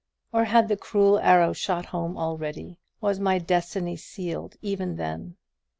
Or had the cruel arrow shot home already; was my destiny sealed even then?